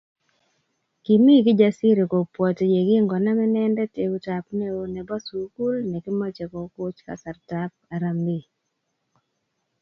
Kimi Kijasiri kobwati yekingonam inendet eutab neo nebo sukul ne kimoche kokoch kartasitab harambee